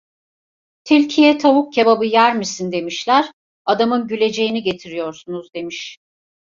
Tilkiye tavuk kebabı yer misin demişler; adamın güleceğini getiriyorsunuz demiş.